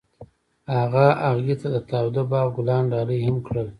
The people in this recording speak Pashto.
هغه هغې ته د تاوده باغ ګلان ډالۍ هم کړل.